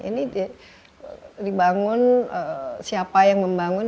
ini dibangun siapa yang membangun